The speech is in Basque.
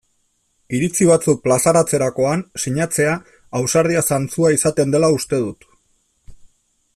Iritzi batzuk plazaratzerakoan sinatzea ausardia zantzua izaten dela uste dut.